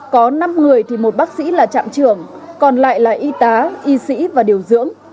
có năm người thì một bác sĩ là trạm trưởng còn lại là y tá y sĩ và điều dưỡng